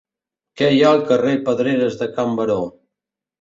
Què hi ha al carrer Pedreres de Can Baró